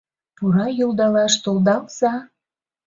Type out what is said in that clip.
Пура йӱлдалаш толдалза!